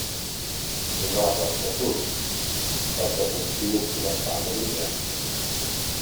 És a la costa sud, prop de confí occidental de l'illa.